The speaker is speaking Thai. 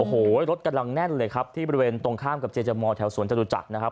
โอ้โหรถกำลังแน่นเลยครับที่บริเวณตรงข้ามกับเจจมอร์แถวสวนจตุจักรนะครับ